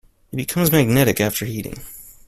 It becomes magnetic after heating.